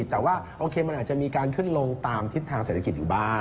แต่ว่าโอเคมันอาจจะมีการขึ้นลงตามทิศทางเศรษฐกิจอยู่บ้าง